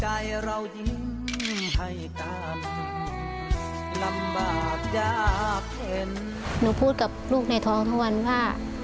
หนูพูดกับลูกในท้องทุกวันว่า